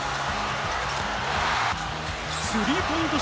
スリーポイント